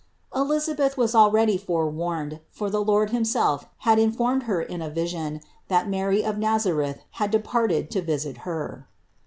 Elisabeth was already fore warned, for the Lord himself had informed her in a vision that Mary of Nazareth had departed to visit her.